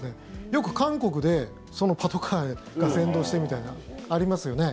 よく韓国でパトカーが先導してみたいなのがありますよね。